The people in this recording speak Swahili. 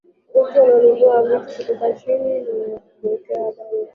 watu wananunua vitu kutoka china kwa hivyo unapoongea pale jaribu wame